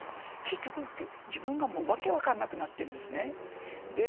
結局、自分が訳分かんなくなってるんですね。